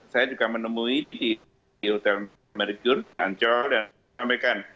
saya juga menemui di hotel merikun ancol dan menyampaikan